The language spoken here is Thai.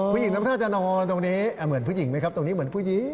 ผู้หญิงนั้นน่าจะนอนตรงนี้เหมือนผู้หญิงไหมครับตรงนี้เหมือนผู้หญิง